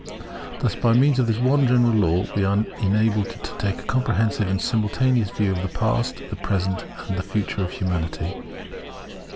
Thus by means of this one general law we are enabled to take a comprehensive and simultaneous view of the past, present, and future of Humanity.